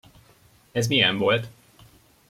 Ez milyen volt?